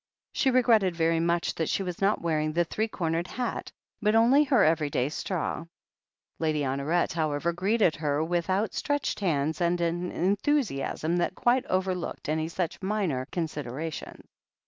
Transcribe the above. She regretted very much that she was not wearing the three cornered hat, but only her every day straw. Lady Honoret, however, greeted her with out stretched hands and an enthusiasm that quite over looked any such minor considerations.